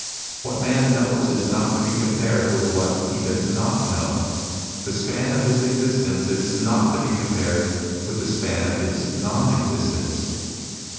"What man knows is not to be compared with what he does not know. The span of his existence is not to be compared with the span of his non existence.